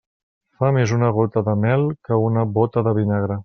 Fa més una gota de mel que una bóta de vinagre.